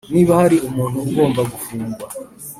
Niba hari umuntu ugomba gufungwa